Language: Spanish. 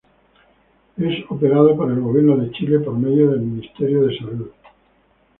Es operado por el Gobierno de Chile, por medio del Ministerio de Salud.